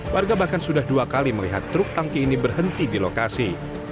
warga bahkan sudah dua kali melihat truk tangki ini berhenti di lokasi